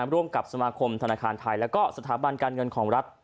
ร่วมกับสมาคมธนาคารไทยและก็สถาบันการเงินของรัฐ